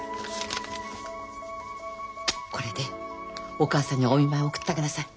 これでお母さんにお見舞い送ってあげなさい。